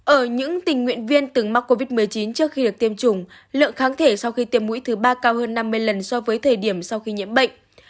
ở những tình nguyện viên từng mắc covid một mươi chín trước khi được tiêm chủng lượng kháng thể sau khi tiêm mũi thứ ba cao hơn năm mươi lần so với thời điểm sau khi nhiễm bệnh